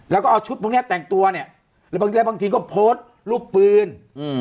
แล้วก็เอาชุดพวกเนี้ยแต่งตัวเนี้ยแล้วบางทีแล้วบางทีก็โพสลูกปืนอืม